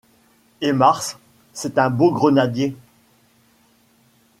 Et Mars ?— C’est un beau grenadier.